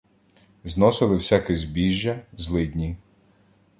Зносили всяке збіжжя, злидні